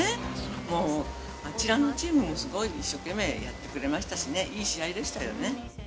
もう、あちらのチームもすごい一生懸命やってくれましたしね、いい試合